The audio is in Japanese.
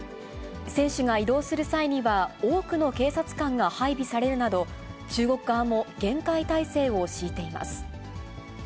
選手が移動する際には、多くの警察官が配備されるなど、中国側も厳戒態勢を敷いています。